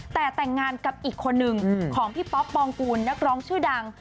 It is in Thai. แต่แต่งงานกับอีกคนนึงของพี่ป๊อปปองกูลนักร้องชื่อดัง